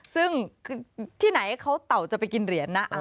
ซึ่งที่ไหนเขาเต่าจะไปกินเหรียญนะ